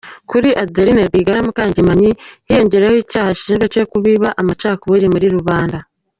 Kuri Adeline Rwigara Mukangemanyi, hiyongeraho icyaha ashinjwa cyo kubiba amacakubiri muri rubanda.